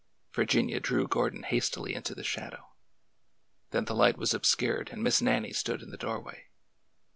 Virginia drew Gordon hastily into the shadow. Then the light was obscured and Miss Nannie stood in the doorway.